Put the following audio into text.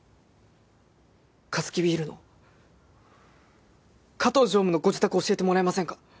カヅキビールの加藤常務のご自宅を教えてもらえませんか？